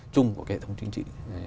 trung của hệ thống chính trị